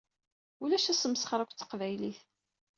Ulac asmesxeṛ akked Teqbaylit!